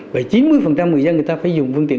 vậy chín mươi người dân người ta phải dùng phương tiện